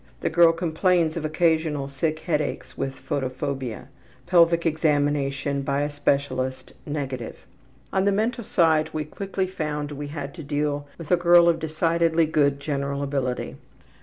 The girl complains of occasional sick headaches with photophobia. Pelvic examination by a specialist negative. On the mental side we quickly found we had to deal with a girl of decidedly good general ability.